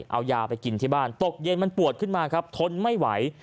เอายาไปกินที่บ้านตกเย็นมันปวดขึ้นมาครับทนไม่ไหว